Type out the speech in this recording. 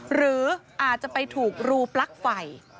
หรืออาจจะไปถูกรูปลั๊กไฟ